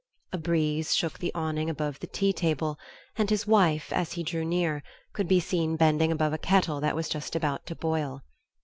A breeze shook the awning above the tea table, and his wife, as he drew near, could be seen bending above a kettle that was just about to boil.